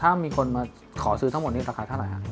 ถ้ามีคนมาขอซื้อทั้งหมดนี้ราคาเท่าไหร่ฮะ